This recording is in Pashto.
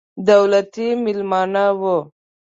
دولتي مېلمانه وو.